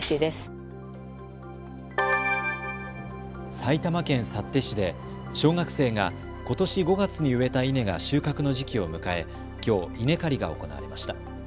埼玉県幸手市で小学生がことし５月に植えた稲が収穫の時期を迎えきょう稲刈りが行われました。